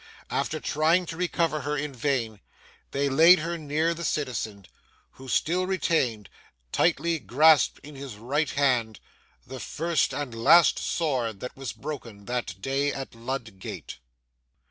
After trying to recover her in vain, they laid her near the citizen, who still retained, tightly grasped in his right hand, the first and last sword that was broken that day at Lud Gate.